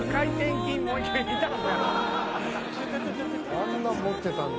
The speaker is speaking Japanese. あんなん持ってたんだ。